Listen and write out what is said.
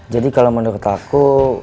jadi kalau menurut aku